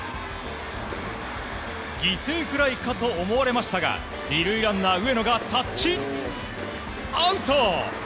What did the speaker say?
犠牲フライかと思われましたが２塁ランナー上野がタッチアウト！